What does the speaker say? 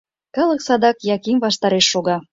Калык садыгак Яким ваштареш шога.